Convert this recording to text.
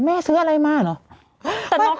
ซื้ออะไรมาเหรอ